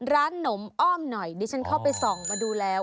หนมอ้อมหน่อยดิฉันเข้าไปส่องมาดูแล้ว